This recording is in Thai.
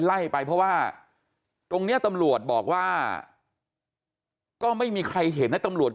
ไล่ไปเพราะว่าตรงเนี้ยตำรวจบอกว่าก็ไม่มีใครเห็นนะตำรวจ